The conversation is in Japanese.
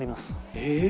えっ？